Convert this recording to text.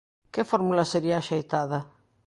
Que fórmula sería a axeitada?